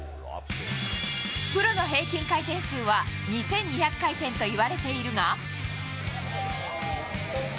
プロの平均回転数は２２００回転といわれているが。